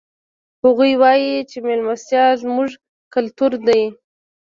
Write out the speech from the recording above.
هغوی وایي چې مېلمستیا زموږ کلتور ده